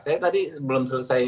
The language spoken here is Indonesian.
saya tadi belum selesai